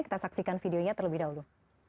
kita saksikan videonya terlebih dahulu